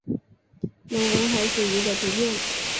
隆吻海蠋鱼的图片